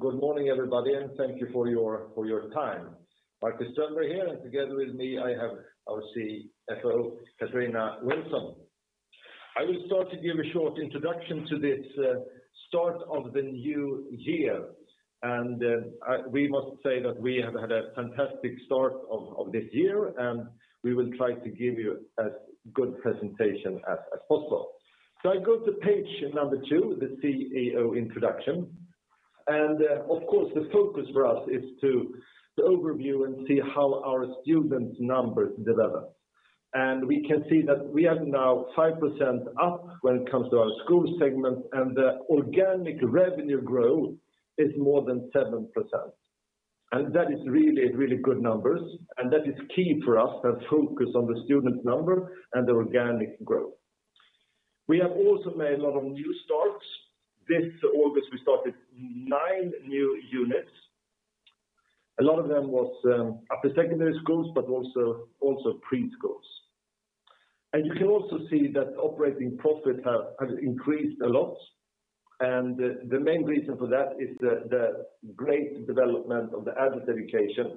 Good morning everybody, and thank you for your time. Marcus Strömberg here, and together with me I have our CFO, Katarina Wilson. I will start to give a short introduction to this start of the new year. We must say that we have had a fantastic start of this year, and we will try to give you as good presentation as possible. I go to page two, the CEO introduction. Of course, the focus for us is to overview and see how our student numbers develop. We can see that we are now 5% up when it comes to our school segment, and the organic revenue growth is more than 7%. That is really good numbers, and that is key for us, that focus on the student number and the organic growth. We have also made a lot of new starts. This August, we started nine new units. A lot of them was at the upper secondary schools, but also preschools. You can also see that operating profit has increased a lot. The main reason for that is the great development of the adult education.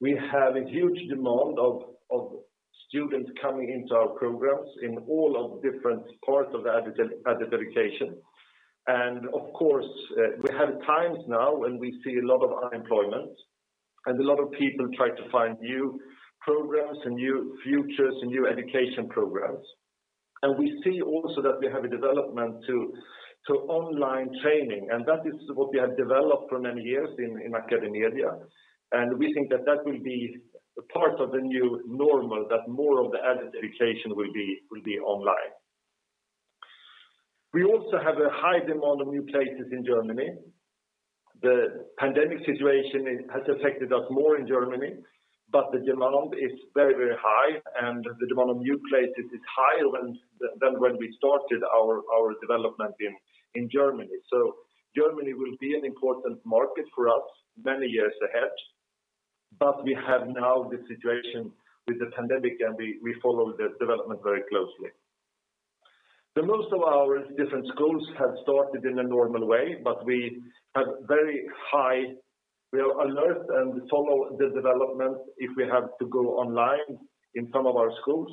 We have a huge demand of students coming into our programs in all of different parts of the adult education. Of course, we have times now when we see a lot of unemployment, and a lot of people try to find new programs and new futures and new education programs. We see also that we have a development to online training, and that is what we have developed for many years in AcadeMedia. We think that that will be part of the new normal, that more of the adult education will be online. We also have a high demand of new places in Germany. The pandemic situation has affected us more in Germany, but the demand is very high, and the demand of new places is higher than when we started our development in Germany. Germany will be an important market for us many years ahead. We have now the situation with the pandemic, and we follow the development very closely. Most of our different schools have started in a normal way, but we are alert and follow the development if we have to go online in some of our schools.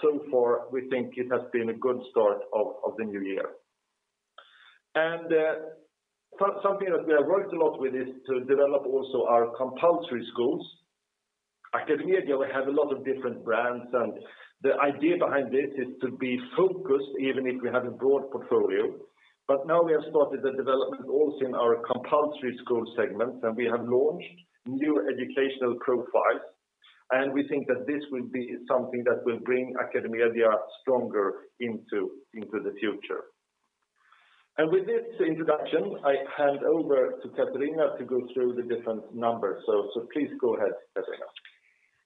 So far, we think it has been a good start of the new year. Something that we have worked a lot with is to develop also our compulsory schools. AcadeMedia, we have a lot of different brands. The idea behind this is to be focused even if we have a broad portfolio. Now we have started the development also in our compulsory school segment. We have launched new educational profiles. We think that this will be something that will bring AcadeMedia stronger into the future. With this introduction, I hand over to Katarina to go through the different numbers. Please go ahead, Katarina.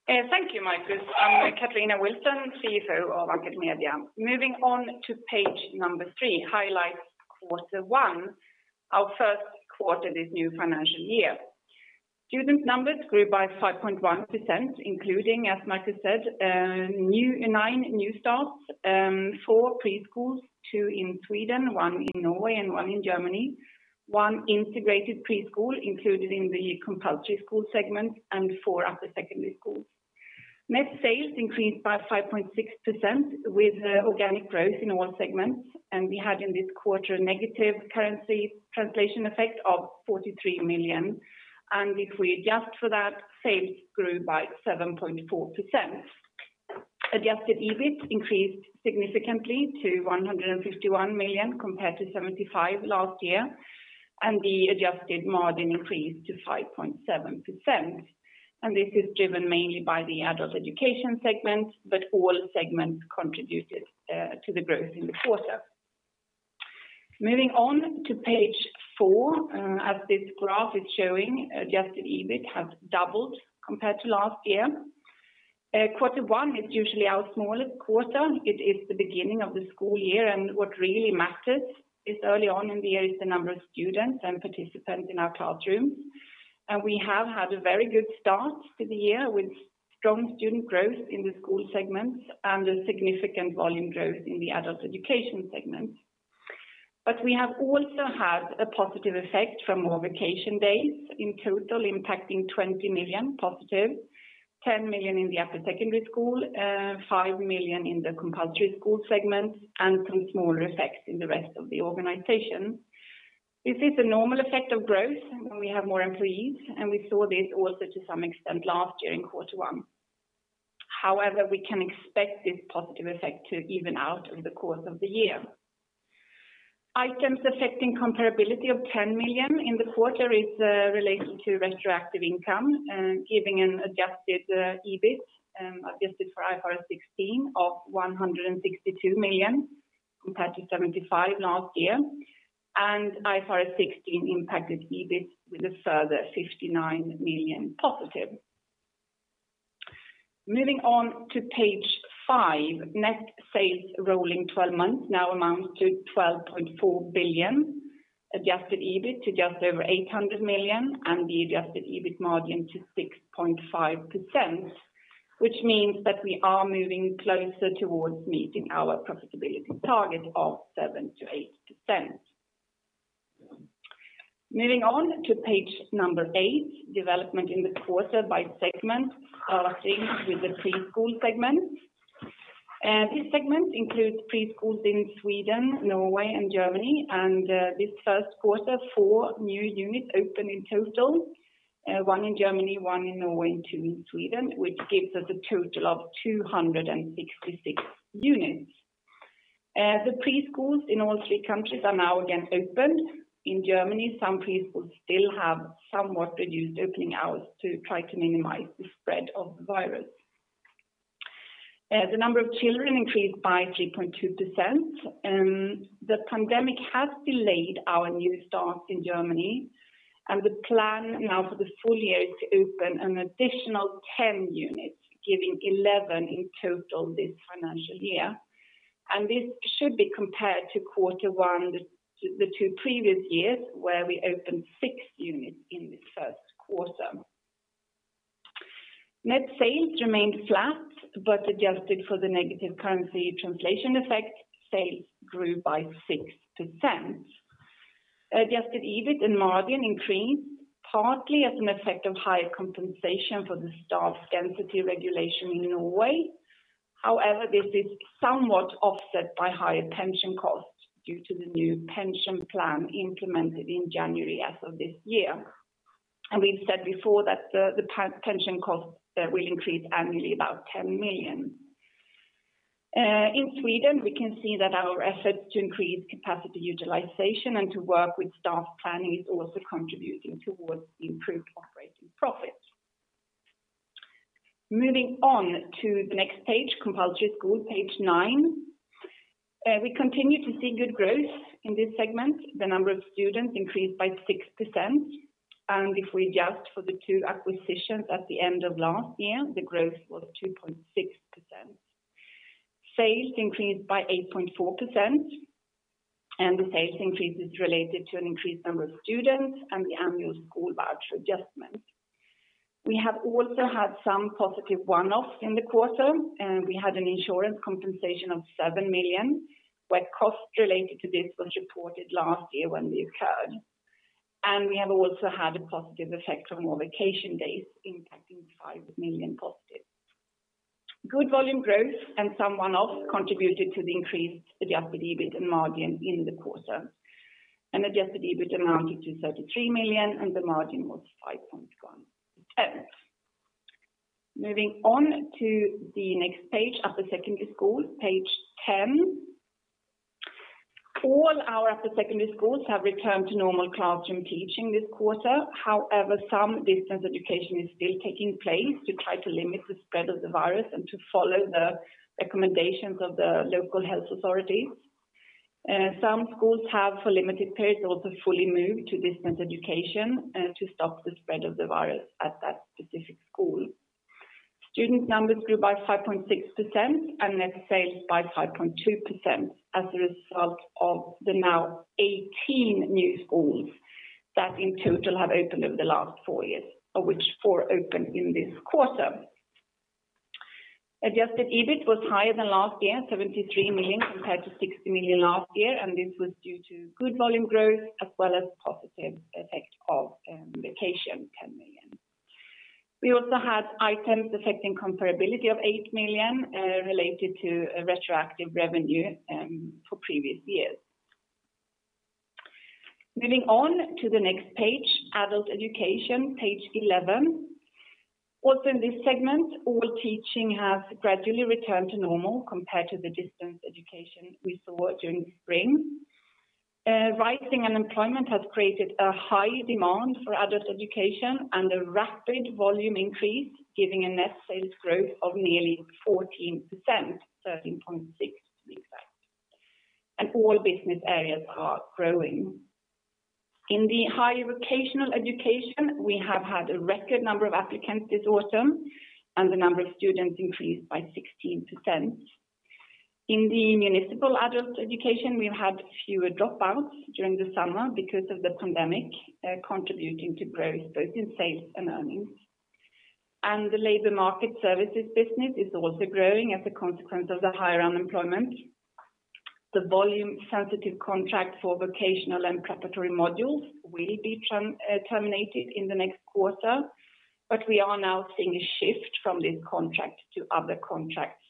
Thank you, Marcus. I'm Katarina Wilson, CFO of AcadeMedia. Moving on to page number three, highlights quarter one, our first quarter this new financial year. Student numbers grew by 5.1%, including, as Marcus said, nine new starts, four preschools, two in Sweden, one in Norway, and one in Germany, one integrated preschool included in the compulsory school segment, and four upper secondary schools. Net sales increased by 5.6% with organic growth in all segments. We had in this quarter a negative currency translation effect of 43 million. If we adjust for that, sales grew by 7.4%. Adjusted EBIT increased significantly to 151 million compared to 75 million last year. The adjusted margin increased to 5.7%. This is driven mainly by the adult education segment, but all segments contributed to the growth in the quarter. Moving on to page four, as this graph is showing, adjusted EBIT has doubled compared to last year. Quarter one is usually our smallest quarter. It is the beginning of the school year. What really matters is early on in the year is the number of students and participants in our classrooms. We have had a very good start to the year with strong student growth in the school segment, a significant volume growth in the adult education segment. We have also had a positive effect from more vacation days in total impacting 20 million positive, 10 million in the upper secondary school, 5 million in the compulsory school segment, some smaller effects in the rest of the organization. This is a normal effect of growth when we have more employees. We saw this also to some extent last year in Quarter one. However, we can expect this positive effect to even out over the course of the year. Items affecting comparability of 10 million in the quarter is relating to retroactive income, giving an adjusted EBIT, adjusted for IFRS 16 of 162 million compared to 75 last year. IFRS 16 impacted EBIT with a further 59 million positive. Moving on to page five, net sales rolling 12 months now amounts to 12.4 billion, adjusted EBIT to just over 800 million, and the adjusted EBIT margin to 6.5%. Which means that we are moving closer towards meeting our profitability target of 7%-8%. Moving on to page number eight, development in the quarter by segment, starting with the preschool segment. This segment includes preschools in Sweden, Norway, and Germany. This first quarter, four new units opened in total, one in Germany, one in Norway, and two in Sweden, which gives us a total of 266 units. The preschools in all three countries are now again opened. In Germany, some preschools still have somewhat reduced opening hours to try to minimize the spread of the virus. The number of children increased by 3.2%, and the pandemic has delayed our new start in Germany, and the plan now for the full year is to open an additional 10 units, giving 11 in total this financial year. This should be compared to quarter one the two previous years, where we opened six units in the first quarter. Net sales remained flat, but adjusted for the negative currency translation effect, sales grew by 6%. Adjusted EBIT and margin increased partly as an effect of higher compensation for the staff density regulation in Norway. However, this is somewhat offset by higher pension costs due to the new pension plan implemented in January as of this year. We've said before that the pension costs will increase annually about 10 million. In Sweden, we can see that our efforts to increase capacity utilization and to work with staff planning is also contributing towards improved operating profits. Moving on to the next page, compulsory school, page nine. We continue to see good growth in this segment. The number of students increased by 6%, and if we adjust for the two acquisitions at the end of last year, the growth was 2.6%. Sales increased by 8.4%, and the sales increase is related to an increased number of students and the annual school voucher adjustment. We have also had some positive one-offs in the quarter. We had an insurance compensation of 7 million, where costs related to this was reported last year when they occurred. We have also had a positive effect of more vacation days impacting 5 million positive. Good volume growth and some one-offs contributed to the increased adjusted EBIT and margin in the quarter. Adjusted EBIT amounted to 33 million, and the margin was 5.1%. Moving on to the next page, Upper Secondary School, page 10. All our Upper Secondary Schools have returned to normal classroom teaching this quarter. However, some distance education is still taking place to try to limit the spread of the virus and to follow the recommendations of the local health authorities. Some schools have, for limited periods, also fully moved to distance education to stop the spread of the virus at that specific school. Student numbers grew by 5.6% and net sales by 5.2% as a result of the now 18 new schools that in total have opened over the last four years, of which four opened in this quarter. Adjusted EBIT was higher than last year, 73 million compared to 60 million last year, and this was due to good volume growth as well as positive effect of vacation, 10 million. We also had items affecting comparability of 8 million related to retroactive revenue for previous years. Moving on to the next page, adult education, page 11. Also in this segment, all teaching has gradually returned to normal compared to the distance education we saw during spring. Rising unemployment has created a high demand for adult education and a rapid volume increase, giving a net sales growth of nearly 14%, 13.6% exactly. All business areas are growing. In the higher vocational education, we have had a record number of applicants this autumn, and the number of students increased by 16%. In the municipal adult education, we've had fewer dropouts during the summer because of the pandemic, contributing to growth both in sales and earnings. The labor market services business is also growing as a consequence of the higher unemployment. The volume-sensitive contract for vocational and preparatory modules will be terminated in the next quarter, but we are now seeing a shift from this contract to other contracts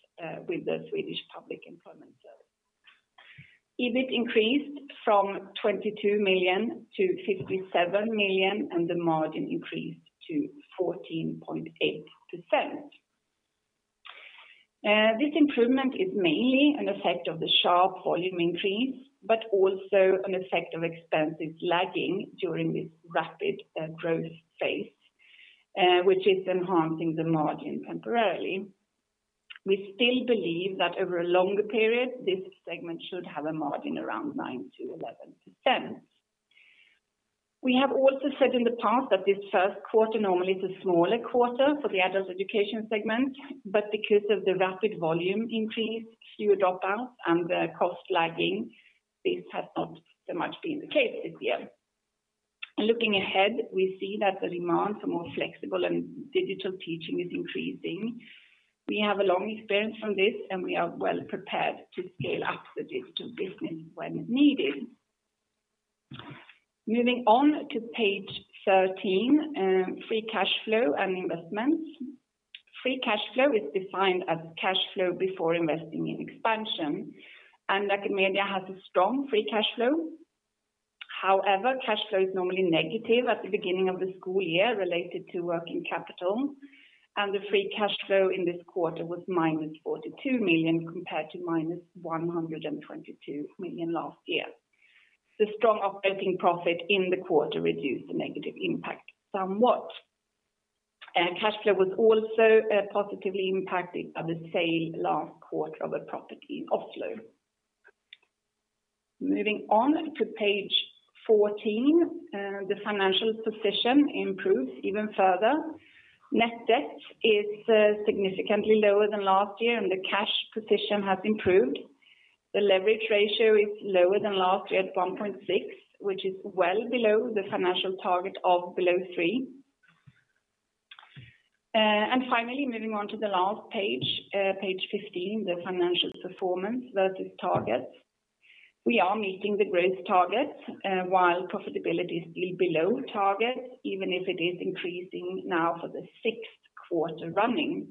with the Swedish Public Employment Service. EBIT increased from 22 million to 57 million, and the margin increased to 14.8%. This improvement is mainly an effect of the sharp volume increase, but also an effect of expenses lagging during this rapid growth phase, which is enhancing the margin temporarily. We still believe that over a longer period, this segment should have a margin around 9% to 11%. We have also said in the past that this first quarter normally is a smaller quarter for the adult education segment, but because of the rapid volume increase, fewer dropouts, and the cost lagging, this has not so much been the case this year. Looking ahead, we see that the demand for more flexible and digital teaching is increasing. We have a long experience from this, and we are well prepared to scale up the digital business when needed. Moving on to page 13, free cash flow and investments. Free cash flow is defined as cash flow before investing in expansion, and AcadeMedia has a strong free cash flow. Cash flow is normally negative at the beginning of the school year related to working capital, and the free cash flow in this quarter was -42 million compared to -122 million last year. The strong operating profit in the quarter reduced the negative impact somewhat. Cash flow was also positively impacted at the sale last quarter of a property in Oslo. Moving on to page 14, the financial position improves even further. Net debt is significantly lower than last year, and the cash position has improved. The leverage ratio is lower than last year at 1.6, which is well below the financial target of below three. Finally, moving on to the last page 15, the financial performance versus targets. We are meeting the growth targets while profitability is still below target, even if it is increasing now for the sixth quarter running.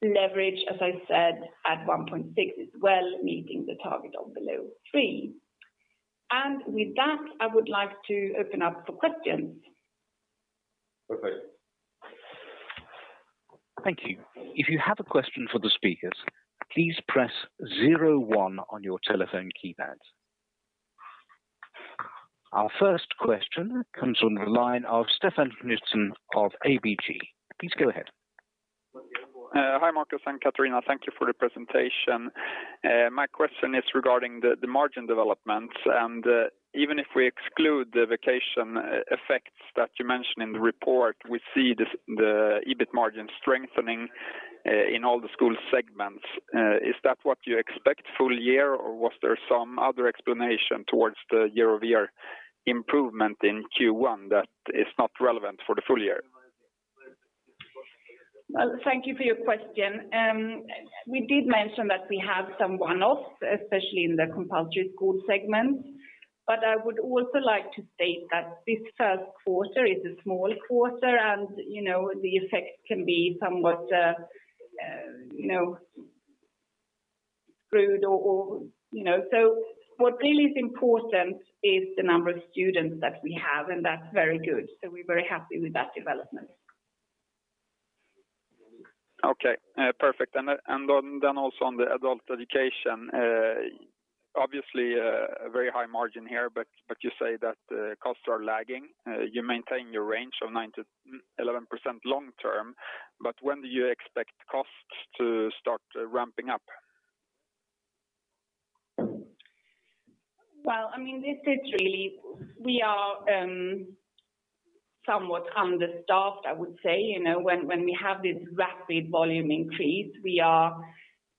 Leverage, as I said, at 1.6, is well meeting the target of below three. With that, I would like to open up for questions. Okay. Thank you. If you have a question for the speakers. Please press zero one on your telephone keypad. Our first question comes from the line of Stefan Knutsson of ABG. Please go ahead. Hi, Marcus and Katarina. Thank you for the presentation. Even if we exclude the vacation effects that you mention in the report, we see the EBIT margin strengthening in all the school segments. Is that what you expect full year, or was there some other explanation towards the year-over-year improvement in Q1 that is not relevant for the full year? Well, thank you for your question. We did mention that we have some one-offs, especially in the compulsory school segment. I would also like to state that this first quarter is a small quarter, and the effect can be somewhat skewed. What really is important is the number of students that we have, and that's very good. We're very happy with that development. Okay, perfect. Also on the Adult Education, obviously a very high margin here, but you say that costs are lagging. You maintain your range of 9%-11% long term, but when do you expect costs to start ramping up? Well, digitally, we are somewhat understaffed, I would say. When we have this rapid volume increase, we are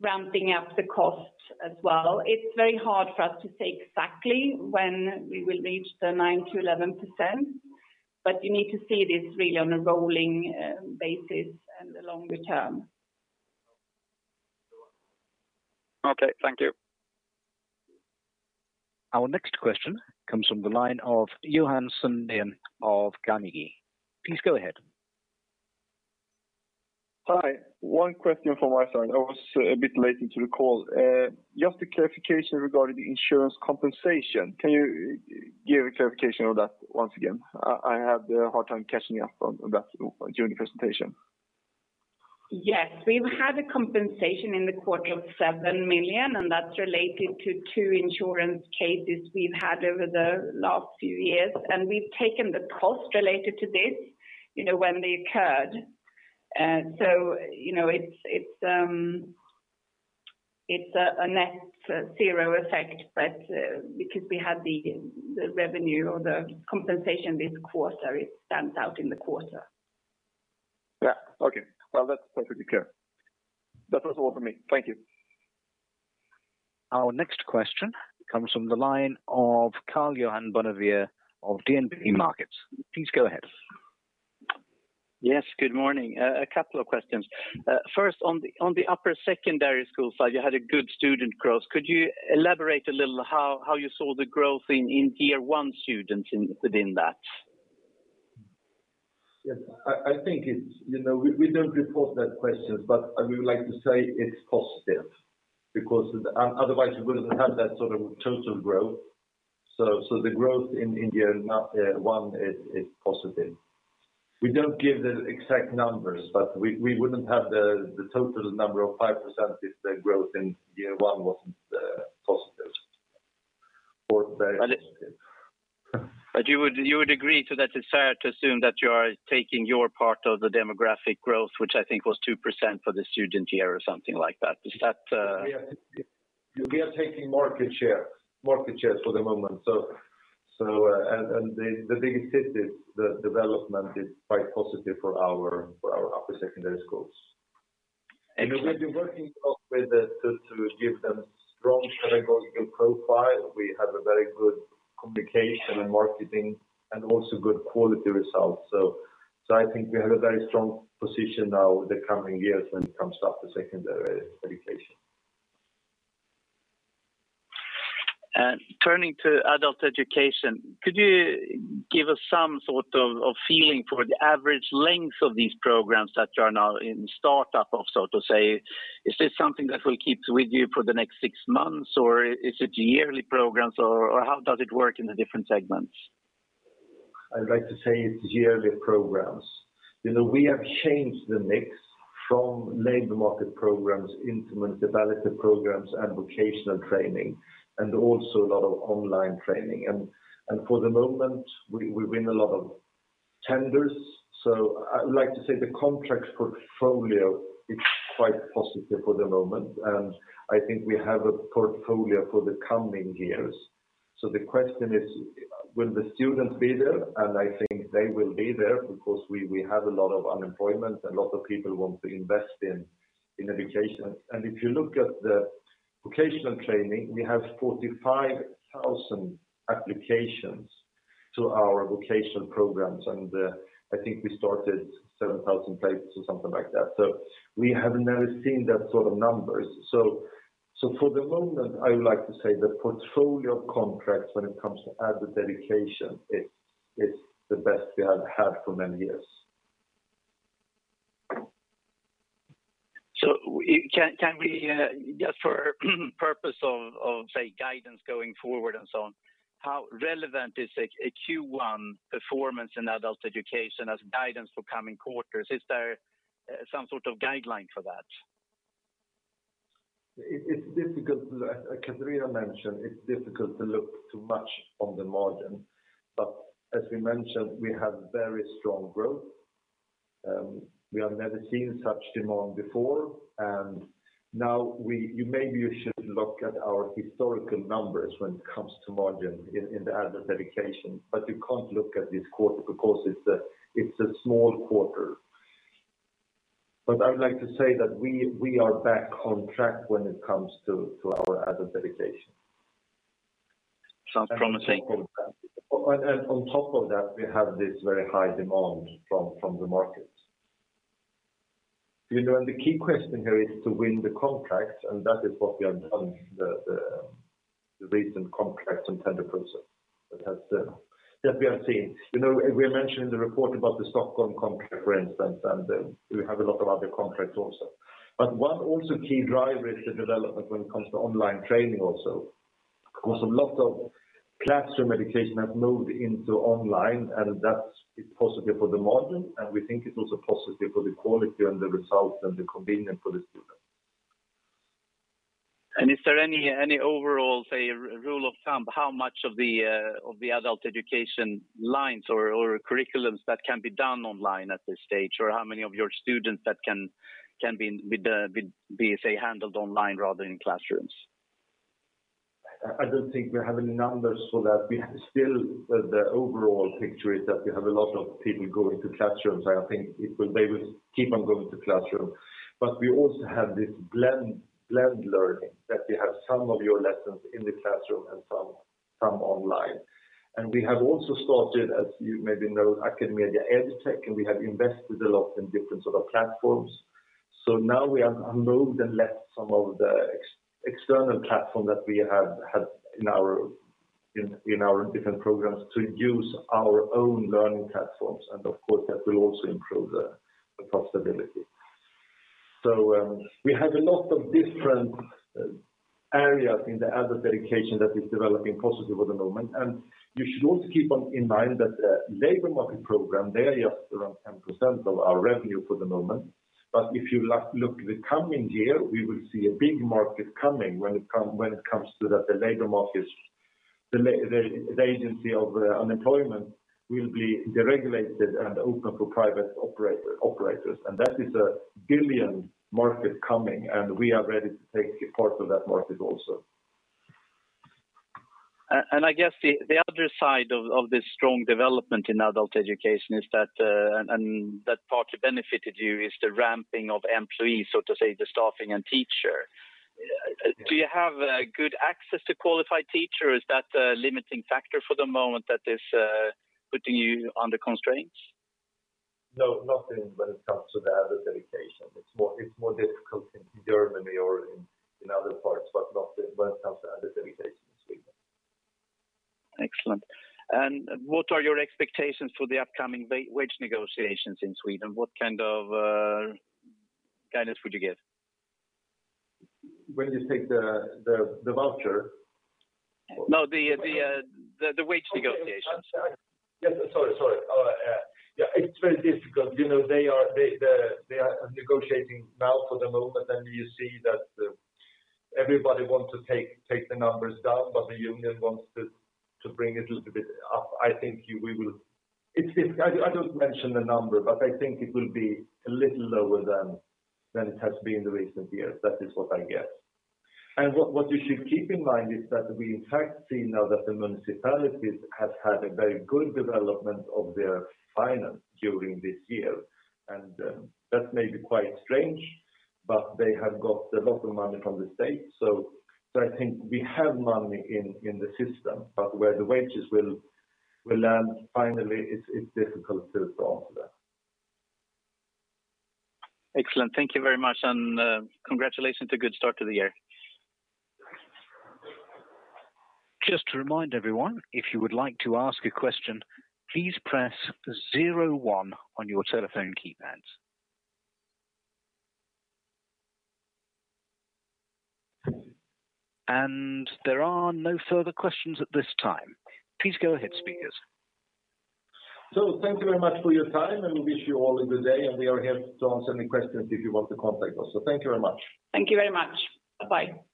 ramping up the cost as well. It's very hard for us to say exactly when we will reach the 9%-11%, but you need to see this really on a rolling basis and the longer term. Okay, thank you. Our next question comes from the line of Johan Sundén of Carnegie. Please go ahead. Hi. One question from my side. I was a bit late into the call. Just a clarification regarding the insurance compensation. Can you give a clarification of that once again? I had a hard time catching up on that during the presentation. Yes, we've had a compensation in the quarter of 7 million, that's related to two insurance cases we've had over the last few years. We've taken the cost related to this when they occurred. It's a net zero effect, but because we had the revenue or the compensation this quarter, it stands out in the quarter. Yeah. Okay. Well, that's perfectly clear. That was all for me. Thank you. Our next question comes from the line of Karl-Johan Bonnevier of DNB Markets. Please go ahead. Yes, good morning. A couple of questions. On the upper secondary school side, you had a good student growth. Could you elaborate a little how you saw the growth in year 1 students within that? Yes. We don't report that question, but I would like to say it's positive because otherwise we wouldn't have that sort of total growth. The growth in year one is positive. We don't give the exact numbers, but we wouldn't have the total number of 5% if the growth in year one wasn't positive. You would agree to that it's fair to assume that you are taking your part of the demographic growth, which I think was 2% for the student year or something like that. Is that? We are taking market share for the moment. The big city, the development is quite positive for our upper secondary schools. We've been working with it to give them strong pedagogical profile. We have a very good communication and marketing and also good quality results. I think we have a very strong position now the coming years when it comes to upper secondary education. Turning to adult education, could you give us some sort of feeling for the average length of these programs that you are now in the startup of? Is this something that will keep with you for the next six months, or is it yearly programs, or how does it work in the different segments? I'd like to say it's yearly programs. We have changed the mix from labor market programs into municipality programs and vocational training, and also a lot of online training. For the moment we win a lot of tenders. I would like to say the contracts portfolio is quite positive for the moment, and I think we have a portfolio for the coming years. The question is, will the students be there? I think they will be there because we have a lot of unemployment and lot of people want to invest in education. If you look at the vocational training, we have 45,000 applications to our vocational programs. I think we started 7,000 places or something like that. We have never seen that sort of numbers. For the moment, I would like to say the portfolio contracts when it comes to Adult Education, it's the best we have had for many years. Can we, just for purpose of guidance going forward and so on, how relevant is a Q1 performance in Adult Education as guidance for coming quarters? Is there some sort of guideline for that? As Katarina mentioned, it's difficult to look too much on the margin. As we mentioned, we have very strong growth. We have never seen such demand before. Now maybe you should look at our historical numbers when it comes to margin in the adult education. You can't look at this quarter because it's a small quarter. I would like to say that we are back on track when it comes to our adult education. Sounds promising. On top of that, we have this very high demand from the market. The key question here is to win the contracts, and that is what we have done, the recent contracts and tender process that we have seen. We mentioned in the report about the Stockholm contract, for instance, and we have a lot of other contracts also. One also key driver is the development when it comes to online training also. A lot of classroom education has moved into online, and that's positive for the margin, and we think it's also positive for the quality and the result and the convenience for the student. Is there any overall rule of thumb how much of the adult education lines or curriculums that can be done online at this stage? How many of your students that can be handled online rather than in classrooms? I don't think we have any numbers for that. Still the overall picture is that we have a lot of people going to classrooms. I think they will keep on going to classroom. We also have this blended learning, that you have some of your lessons in the classroom and some online. We have also started, as you maybe know, AcadeMedia EdTech, and we have invested a lot in different sort of platforms. Now we have moved and left some of the external platform that we have had in our different programs to use our own learning platforms. Of course, that will also improve the profitability. We have a lot of different areas in the adult education that is developing positive at the moment. You should also keep in mind that labor market program, they are just around 10% of our revenue for the moment. But if you look the coming year, we will see a big market coming when it comes to the labor markets. The agency of unemployment will be deregulated and open for private operators. That is a 1 billion market coming, and we are ready to take a part of that market also. I guess the other side of this strong development in Adult Education is that, and that part benefited you is the ramping of employees, so to say, the staffing and teacher. Do you have good access to qualified teacher or is that a limiting factor for the moment that is putting you under constraints? No, not when it comes to the adult education. It's more difficult in Germany or in other parts, but not when it comes to adult education in Sweden. Excellent. What are your expectations for the upcoming wage negotiations in Sweden? What kind of guidance would you give? When you take the voucher? No, the wage negotiations. Yes, sorry. It is very difficult. They are negotiating now for the moment, and you see that everybody wants to take the numbers down, but the union wants to bring it a little bit up. I do not mention the number, but I think it will be a little lower than it has been the recent years. That is what I get. What you should keep in mind is that we in fact see now that the municipalities have had a very good development of their finance during this year. That may be quite strange, but they have got a lot of money from the state. I think we have money in the system, but where the wages will land finally, it is difficult to answer that. Excellent. Thank you very much, and congratulations to good start to the year. Just to remind everyone, if you would like to ask a question, please press zero one on your telephone keypads. There are no further questions at this time. Please go ahead, speakers. Thank you very much for your time, and we wish you all a good day. We are here to answer any questions if you want to contact us. Thank you very much. Thank you very much. Bye-bye.